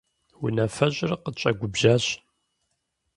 Унафэщӏыр къытщӀэгубжьащ.